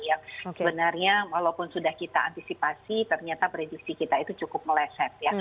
yang sebenarnya walaupun sudah kita antisipasi ternyata prediksi kita itu cukup meleset ya